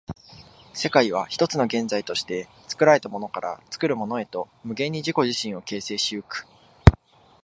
世界は一つの現在として、作られたものから作るものへと無限に自己自身を形成し行く。